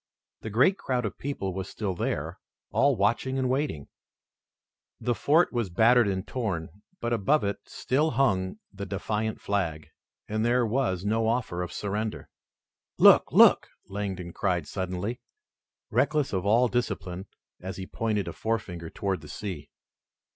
The great crowd of people was still there, all watching and waiting, The fort was battered and torn, but above it still hung the defiant flag, and there was no offer of surrender. "Look! Look!" Langdon cried suddenly, reckless of all discipline, as he pointed a forefinger toward the sea.